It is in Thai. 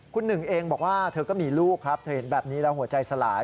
คุณหนึ่งเองบอกว่าเธอก็มีลูกครับเธอเห็นแบบนี้แล้วหัวใจสลาย